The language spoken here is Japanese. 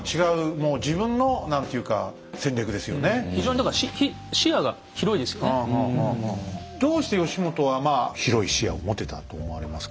やっぱりでもどうして義元は広い視野を持てたと思われますか？